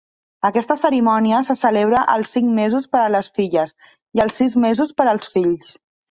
Aquesta cerimònia se celebra als cinc mesos per a les filles i als sis mesos per als fills.